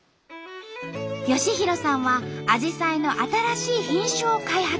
良浩さんはアジサイの新しい品種を開発。